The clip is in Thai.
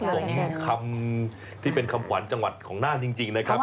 สมคำที่เป็นคำขวัญจังหวัดของน่านจริงนะครับ